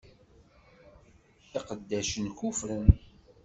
Iqeddacen kuffren.